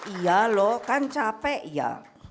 iya loh kan capek ya